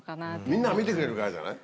みんなが見てくれるからじゃない。